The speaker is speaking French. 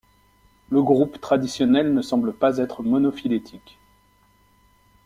Le groupe traditionnel ne semble pas être monophylétique.